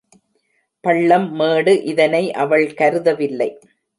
பள்ளம் மேடு இதனை அவள் கருதவில்லை.